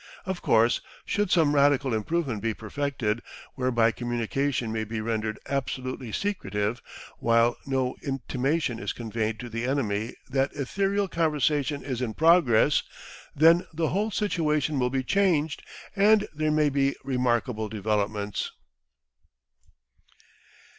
Of course, should some radical improvement be perfected, whereby communication may be rendered absolutely secretive, while no intimation is conveyed to the enemy that ethereal conversation is in progress, then the whole situation will be changed, and there may be remarkable developments.